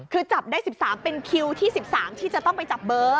คือจับได้๑๓เป็นคิวที่๑๓ที่จะต้องไปจับเบอร์